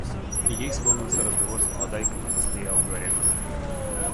И ей вспомнился разговор с молодайкой на постоялом дворе.